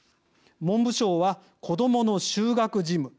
文部省は子どもの就学事務。